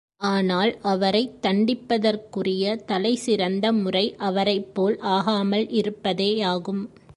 ஆனால் அவரைத் தண்டிப்பதற்குரிய தலை சிறந்த முறை அவரைப் போல் ஆகாமல் இருப்பதேயாகும்.